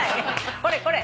これこれ。